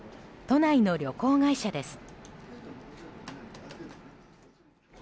都内の旅行会社です。